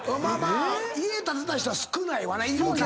まあ家建てた人は少ないわな。